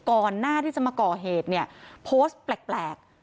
ก่อนหน้าที่จะมาก่อเหตุเนี่ยโพสต์แปลก